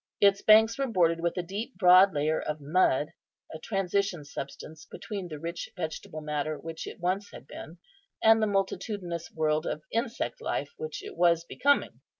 Its banks were bordered with a deep, broad layer of mud, a transition substance between the rich vegetable matter which it once had been, and the multitudinous world of insect life which it was becoming.